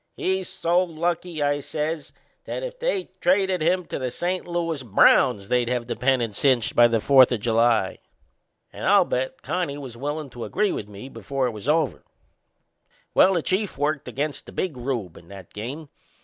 He's so lucky," I says, "that if they traded him to the St. Louis Browns they'd have the pennant cinched by the Fourth o' July." And I'll bet Connie was willin' to agree with me before it was over. Well, the Chief worked against the Big Rube in that game.